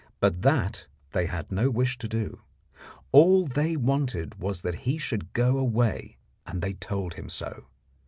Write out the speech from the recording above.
But that they had no wish to do. All that they wanted was that he should go away, and they told him so.